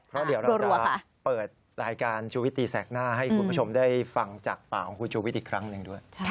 เพราะเดี๋ยวเราจะเปิดรายการชูวิตตีแสกหน้าให้คุณผู้ชมได้ฟังจากปากของคุณชูวิทย์อีกครั้งหนึ่งด้วย